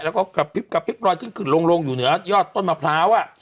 แล้วก็กระพริบกระพริบรอยขึ้นลงอยู่เหนือยอดต้นมะพร้าว